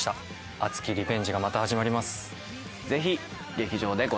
熱きリベンジがまた始まります。